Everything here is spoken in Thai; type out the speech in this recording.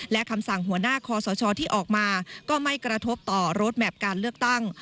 และคำสั่งหัวหน้าคอสชที่ออกมาก็ไม่กระทบต่อรถแมพการเลือกตั้ง